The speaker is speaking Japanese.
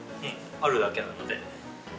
あるだけなので。